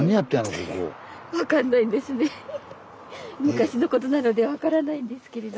昔のことなので分からないんですけれど。